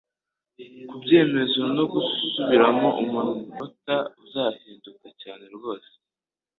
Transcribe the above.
Kubyemezo no gusubiramo umunota uzahinduka cyane rwose